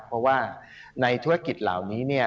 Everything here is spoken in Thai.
เพราะว่าในธุรกิจเหล่านี้